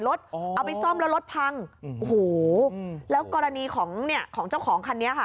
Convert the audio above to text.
เอาไปซ่อมแล้วรถพังโอ้โหแล้วกรณีของเนี่ยของเจ้าของคันนี้ค่ะ